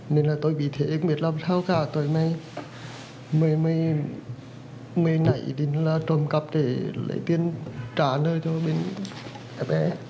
nên là tôi bị thế không biết làm sao cả tôi mới nảy đến là trộm cắp để lấy tiền trả nợ cho bên f a